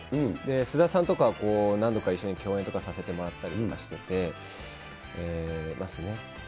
菅田さんとかは、何度か一緒に共演とかさせてもらったりとかしててますね。